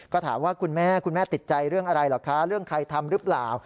ก็ถามว่าคุณแม่คุณแม่ติดใจเรื่องอะไรเหรอคะเรื่องใครทำหรือเปล่า